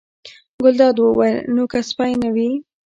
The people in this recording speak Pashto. ګلداد وویل: نو که سپی نه وي.